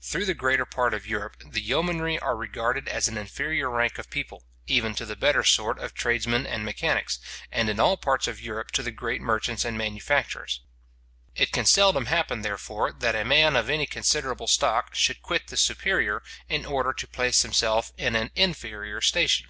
Through the greater part of Europe, the yeomanry are regarded as an inferior rank of people, even to the better sort of tradesmen and mechanics, and in all parts of Europe to the great merchants and master manufacturers. It can seldom happen, therefore, that a man of any considerable stock should quit the superior, in order to place himself in an inferior station.